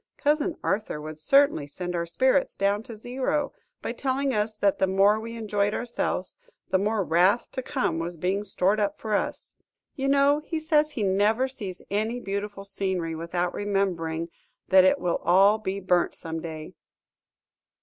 Cousin Arthur would certainly send our spirits down to zero, by telling us that the more we enjoyed ourselves the more wrath to come was being stored up for us! You know he says he never sees any beautiful scenery without remembering that it will all be burnt some day!"